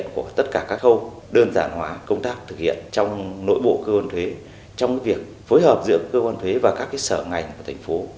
câu đơn giản hóa công tác thực hiện trong nội bộ cơ quan thuế trong việc phối hợp giữa cơ quan thuế và các sở ngành của thành phố